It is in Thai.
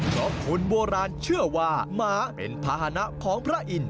เพราะคุณโบราณเชื่อว่าหมาเป็นภาษณะของพระอิ่น